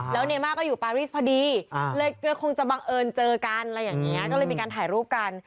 แล้วเนม่าก็อยู่ปารีสพอดีเลยคงจะบังเอิญเจอกันอะไรอย่างนี้ก็เลยมีการถ่ายรูปกัน